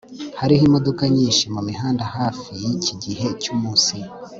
hariho imodoka nyinshi mumihanda hafi yiki gihe cyumunsi